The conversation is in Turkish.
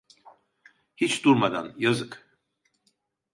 Hiç durmadan, yazık!